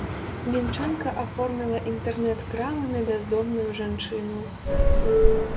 Мінчанка аформіла інтэрнэт-крамы на бяздомную жанчыну.